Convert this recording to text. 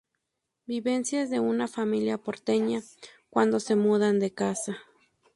Vivencias de una familia porteña cuando se mudan de casa.